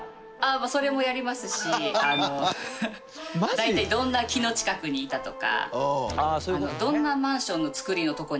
まあそれもやりますし大体どんな木の近くにいたとかどんなマンションの造りのとこにいるとか。